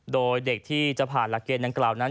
โดยเด็กที่จะผ่านหลักเกณฑ์ดังกล่าวนั้น